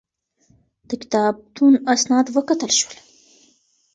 د کتابتون اسناد وکتل شول.